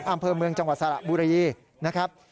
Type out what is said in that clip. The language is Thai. อำเภอเมืองจังหวัดสระบุรีนะครับ